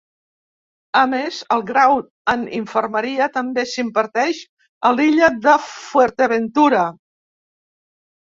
A més, el Grau en Infermeria també s'imparteix a l'illa de Fuerteventura.